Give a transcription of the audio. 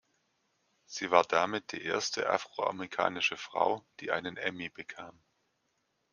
Sie war damit die erste afroamerikanische Frau, die einen Emmy bekam.